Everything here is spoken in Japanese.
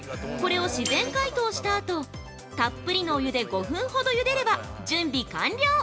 これを自然解凍したあと、たっぷりのお湯で５分ほどゆでれば準備完了。